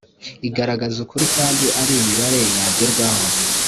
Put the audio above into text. igaragaza ukuri kandi ari imibare yagerwaho